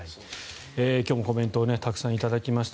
今日もコメントをたくさん頂きました。